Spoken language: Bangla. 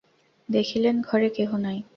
দেখিলেন ঘরে কেহ নাই।